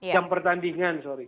jam pertandingan sorry